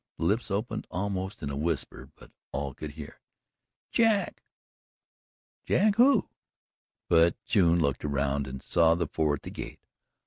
The lips opened almost in a whisper, but all could hear: "Jack!" "Jack who?" But June looked around and saw the four at the gate.